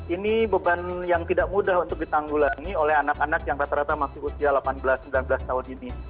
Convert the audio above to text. ini beban yang tidak mudah untuk ditanggulangi oleh anak anak yang rata rata masih usia delapan belas sembilan belas tahun ini